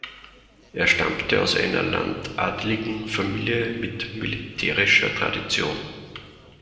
Er stammte aus einer landadligen Familie mit militärischer Tradition.